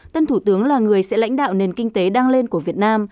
tân thủ tướng là người sẽ lãnh đạo nền kinh tế đang lên của việt nam